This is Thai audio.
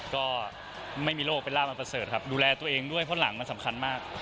ก็ไม่มีโรคเป็นร่ามันประเสริฐครับดูแลตัวเองด้วยเพราะหลังมันสำคัญมาก